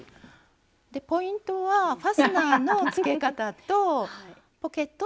ポイントはファスナーのつけ方とポケットの作り方になります。